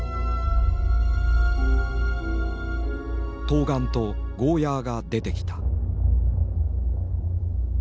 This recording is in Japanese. トウガンとゴーヤーが出てきた。